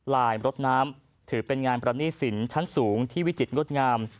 ลายรถน้ำถือเป็นงานประณีสินชั้นสูงที่วิจิตรงดงาม